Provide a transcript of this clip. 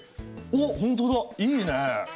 おっ本当だいいね。